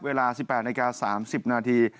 เวลา๑๘นาที๓๐นาที